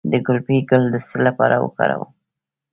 د ګلپي ګل د څه لپاره وکاروم؟